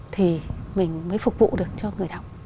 thì mình mới phục vụ được cho người đọc